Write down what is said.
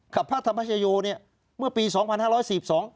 พระธรรมชโยเนี่ยเมื่อปีสองพันห้าร้อยสี่สอง